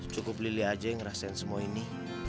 cukup lili aja yang ngerasain semua ini